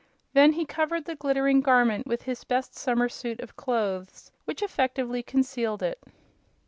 Then he covered the glittering Garment with his best summer suit of clothes, which effectually concealed it.